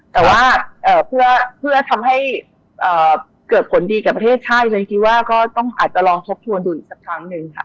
แต่ว่าเพื่อทำให้เกิดผลดีกับประเทศชาติฉันคิดว่าก็ต้องอาจจะลองทบทวนดูอีกสักครั้งหนึ่งค่ะ